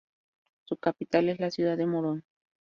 Su capital es la ciudad de Morón.